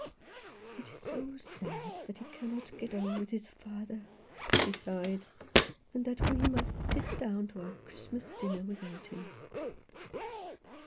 " It is so sad that he cannot get on with his father," she sighed, "and that we must sit down to our Christmas dinner without him."